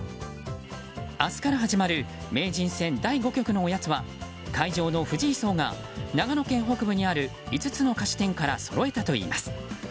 明日から始まる名人戦第５局のおやつは会場の藤井荘が長野県北部にある５つの菓子店からそろえたといいます。